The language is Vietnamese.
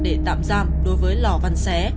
để tạm giam đối với lò văn xé